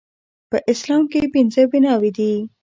په اسلام کې پنځه بناوې دي